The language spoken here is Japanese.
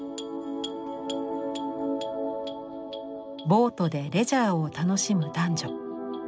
ボートでレジャーを楽しむ男女。